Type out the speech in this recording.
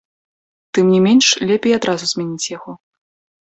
Тым не менш лепей адразу змяніць яго.